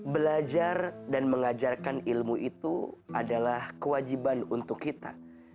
belajar dan mengajarkan ilmu itu adalah kewajiban untuk kita